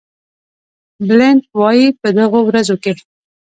بلنټ وایي په دغه ورځو کې.